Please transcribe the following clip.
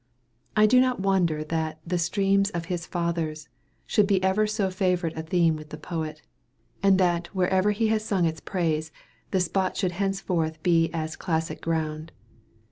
I do not wonder that the "stream of his fathers" should be ever so favorite a theme with the poet, and that wherever he has sung its praise, the spot should henceforth be as classic ground.